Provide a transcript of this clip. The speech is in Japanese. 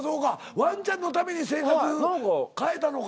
ワンちゃんのために生活変えたのか。